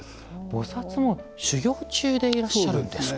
菩薩も修行中でいらっしゃるんですか。